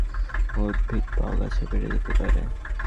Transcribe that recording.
গো-চারণের ফলে সাভানায় অন্যান্য উদ্ভিদ বা আগাছা বেড়ে যেতে পারে।